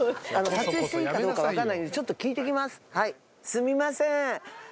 すみません。